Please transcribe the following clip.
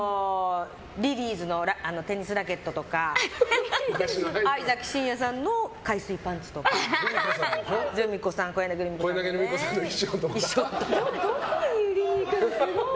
リリーズのテニスラケットとかあいざき進也さんの海水パンツとか小柳ルミ子さんの衣装とか。